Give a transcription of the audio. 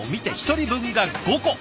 １人分が５個。